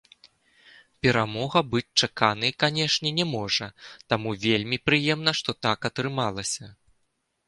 Перамога быць чаканай, канечне, не можа, таму вельмі прыемна, што так атрымалася.